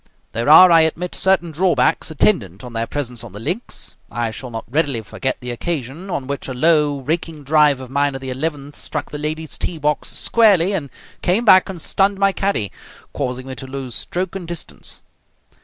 There are, I admit, certain drawbacks attendant on their presence on the links. I shall not readily forget the occasion on which a low, raking drive of mine at the eleventh struck the ladies' tee box squarely and came back and stunned my caddie, causing me to lose stroke and distance.